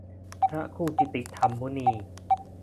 พระครูกิตติธรรมมุนี